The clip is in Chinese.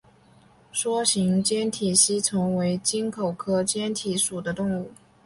梭形坚体吸虫为棘口科坚体属的动物。